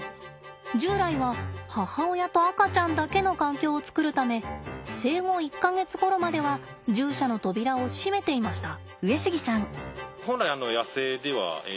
従来は母親と赤ちゃんだけの環境を作るため生後１か月ごろまでは獣舎の扉を閉めていました。